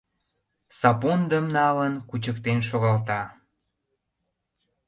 Сапондым, налын, кучыктен шогалта.